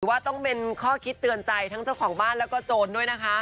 ว่าต้องเป็นข้อคิดเตือนใจทั้งเจ้าของบ้านแล้วก็โจรด้วยนะคะ